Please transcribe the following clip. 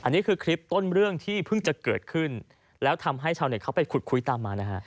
อันนี้คือคลิปต้นเรื่องที่เพิ่งจะเกิดขึ้นแล้วทำให้ชาวเน็ตเขาไปขุดคุยตามมานะฮะ